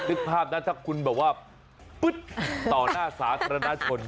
นึกภาพหน้าเธอจะคุณแบบว่าปุ๊บต่อหน้าสาสรรดาชน